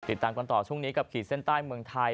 ติดตามกันต่อช่วงนี้กับขีดเส้นใต้เมืองไทย